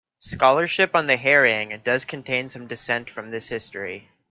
Scholarship on the "harrying" does contain some dissent from this history.